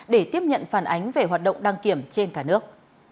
để tiếp nhận phản ánh về hoạt động đăng kiểm trên cả nước